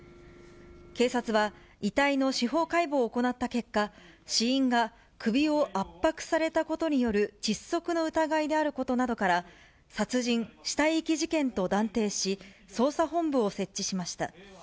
警察は遺体の司法解剖を行った結果、死因が首を圧迫されたことによる窒息の疑いがあることなどから、殺人・死体遺棄事件と断定し、捜査本部を設置しました。